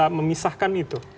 bisa memisahkan itu